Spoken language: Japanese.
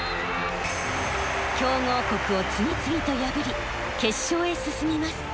強豪国を次々と破り決勝へ進みます。